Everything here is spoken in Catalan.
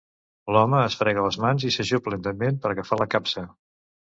L'home es frega les mans i s'ajup lentament per agafar la capsa.